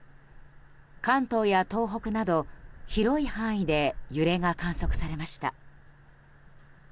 関東や東北など広い範囲で揺れが観測されました。